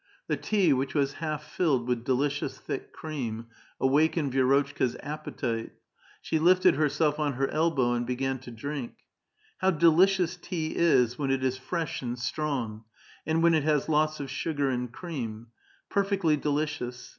The tea, which was half filled with delicious, thick cream, awakened Vi^rotchka's appetite. She lifted herself on her elbow, and began to drink. *' How delicious tea is when it is fresh and strong, and when it has lots of sugar and cream ! Perfectly delicious